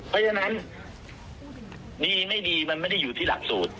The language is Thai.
เพราะฉะนั้นดีไม่ดีมันไม่ได้อยู่ที่หลักสูตร